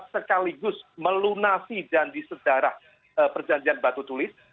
sekaligus melunasi dan disedarah perjanjian batu tulis